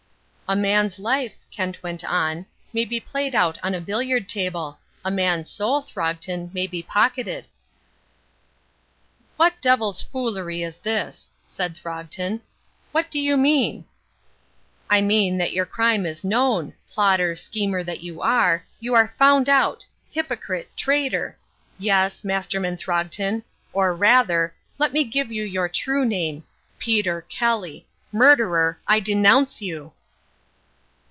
"A man's life," Kent went on, "may be played out on a billiard table. A man's soul, Throgton, may be pocketed." "What devil's foolery is this?" said Throgton. "What do you mean?" "I mean that your crime is known plotter, schemer that you are, you are found out hypocrite, traitor; yes, Masterman Throgton, or rather let me give you your true name Peter Kelly, murderer, I denounce you!"